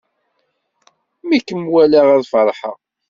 Mi kem-walaɣ ad feṛḥeɣ.